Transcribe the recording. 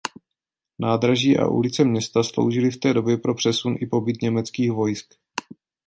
Nádraží a ulice města sloužily v té době pro přesun i pobyt německých vojsk.